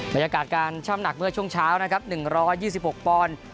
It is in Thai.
บรรยากาศการช่ำหนักเมื่อช่วงเช้านะครับ๑๒๖ปอนด์